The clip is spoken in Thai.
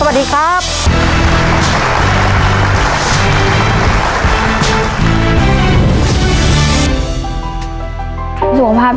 หนึ่งล้าน